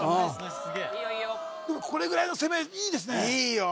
これぐらいの攻めいいですねいいよ